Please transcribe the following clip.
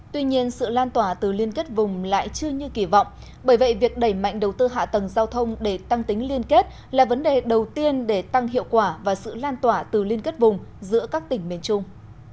tuy nhiên sự lan tỏa từ liên kết vùng lại chưa như kỳ vọng bởi vậy việc đẩy mạnh đầu tư hạ tầng giao thông để tăng tính liên kết là vấn đề đầu tiên để tăng hiệu quả và sự lan tỏa từ liên kết vùng giữa các tỉnh miền trung